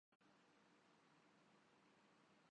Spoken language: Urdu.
تھوڑے سے لوگ ہوں اور خرچا جائز ہو۔